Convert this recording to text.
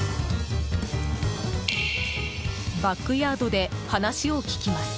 バックヤードで話を聞きます。